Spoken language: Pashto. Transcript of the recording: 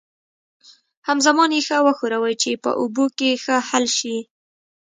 همزمان یې وښورئ چې په اوبو کې ښه حل شي.